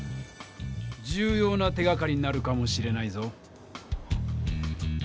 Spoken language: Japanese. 重ような手がかりになるかもしれないぞ。